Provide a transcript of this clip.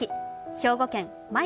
兵庫県ま